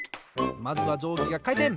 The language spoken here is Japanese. まずはじょうぎがかいてん！